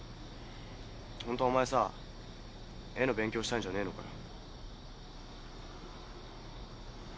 本当はお前さ絵の勉強したいんじゃねえのかよ。